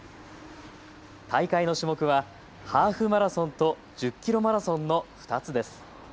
大会の種目はハーフマラソンと１０キロマラソンの２つです。